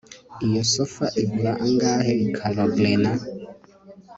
Iyi sofa igura angahe kalogrenant